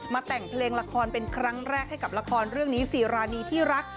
แต่งเพลงละครเป็นครั้งแรกให้กับละครเรื่องนี้ซีรานีที่รัก